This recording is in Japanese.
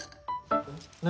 何？